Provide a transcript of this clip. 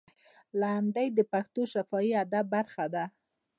لنډۍ د پښتو شفاهي ادب برخه ده.